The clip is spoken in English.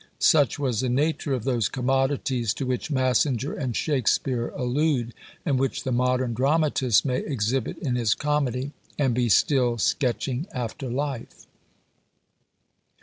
Such was the nature of those "commodities" to which Massinger and Shakspeare allude, and which the modern dramatist may exhibit in his comedy, and be still sketching after life.